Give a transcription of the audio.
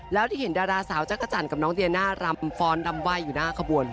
แล้วที่เห็นดาราสาวจักรจันทร์กับน้องเดียน่ารำฟ้อนรำไหว้อยู่หน้าขบวน